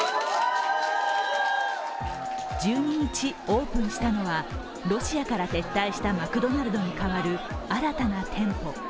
１２日、オープンしたのは、ロシアから撤退したマクドナルドに代わる新たな店舗。